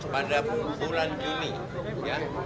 pada bulan juni ya